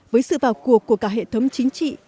với sự vào cuộc của cả hệ thống chính trị